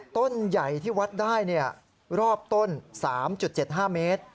ต้นใหญ่ที่วัดได้รอบต้น๓๗๕เมตร